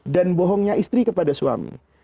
dan bohongnya istri kepada suami